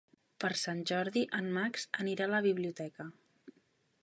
Per Sant Jordi en Max anirà a la biblioteca.